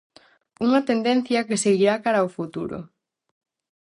Unha tendencia que seguirá cara ao futuro.